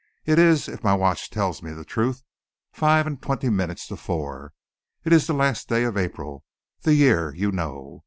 It is, if my watch tells me the truth, five and twenty minutes to four. It is the last day of April. The year you know.